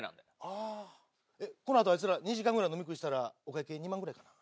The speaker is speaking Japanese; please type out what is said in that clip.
あぁこの後あいつら２時間ぐらい飲み食いしたらお会計２万ぐらいかな？